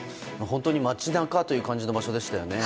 本当に街中という感じの場所でしたよね。